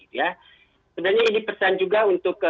sebenarnya ini pesan juga untuk